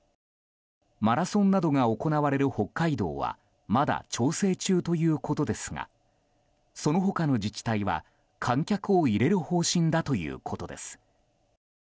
マラソンなどが行われる北海道はまだ調整中ということですがその他の自治体は観客を入れる方針だということです。